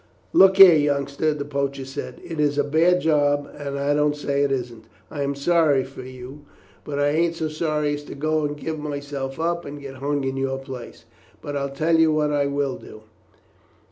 "Look here, youngster," the poacher said, "it is a bad job, and I don't say it isn't. I am sorry for you, but I ain't so sorry as to go and give myself up and get hung in your place; but I'll tell you what I will do.